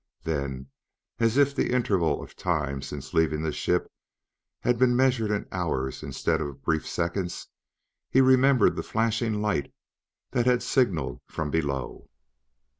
Then, as if the interval of time since leaving the ship had been measured in hours instead of brief seconds, he remembered the flashing lights that had signaled from below.